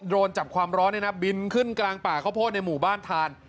โดนจับความร้อนเนี่ยนะบินขึ้นกลางป่าข้าวโพดในหมู่บ้านทาน